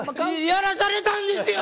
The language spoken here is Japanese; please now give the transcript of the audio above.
やらされたんですよ。